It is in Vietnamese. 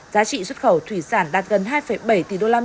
giá trị xuất khẩu thủy sản đạt gần hai bảy tỷ usd tăng bốn hai